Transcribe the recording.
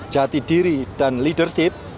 jati diri dan leadership